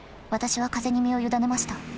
私は風に身を委ねました。